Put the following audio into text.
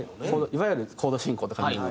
いわゆるコード進行って感じの。